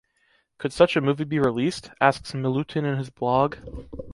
Could such a movie be released?" asks Milutin in his blog.